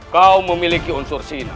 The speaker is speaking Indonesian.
kamu memiliki unsur sinan